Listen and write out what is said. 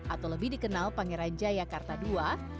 atau lebih dikenal pangeran jayakarta ii